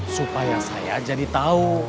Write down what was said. supaya saya jadi tahu